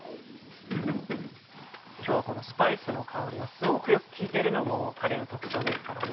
今日はこのスパイスの香りがすごくよく利いてるのもカレーの特徴ですからね。